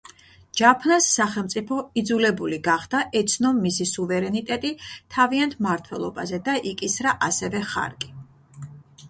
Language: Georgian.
ჯაფნას სახელმწიფო იძლებული გახდა ეცნო მისი სუვერენიტეტი თავიანთ მმართველობაზე და იკისრა ასევე ხარკი.